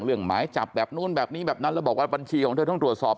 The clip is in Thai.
หมายจับแบบนู้นแบบนี้แบบนั้นแล้วบอกว่าบัญชีของเธอต้องตรวจสอบ